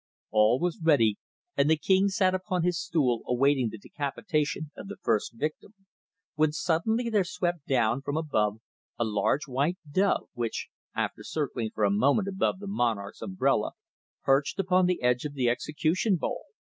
All was ready and the king sat upon his stool awaiting the decapitation of the first victim, when suddenly there swept down from above a large white dove, which, after circling for a moment above the monarch's umbrella, perched upon the edge of the execution bowl.